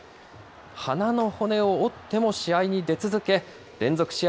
鼻の骨を折っても試合に出続け、連続試合